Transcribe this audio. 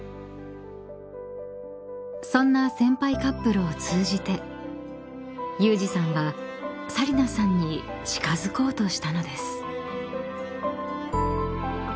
［そんな先輩カップルを通じて有志さんは紗理那さんに近づこうとしたのです］